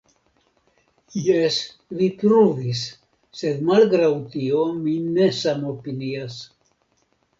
Jes, vi pruvis, sed malgraŭ tio mi ne samopinias.